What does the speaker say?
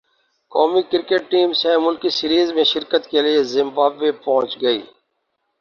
قومی cricket team سہ ملکی سیریز میں شرکت کے لیے زمبابوے پہنچ گئی